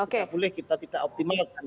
kita tidak boleh kita tidak optimal